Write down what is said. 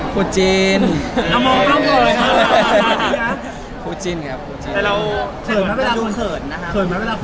มีมีมีมีมีมีมีมีมีมีมีมีมีมีมีมีมีมีมีมี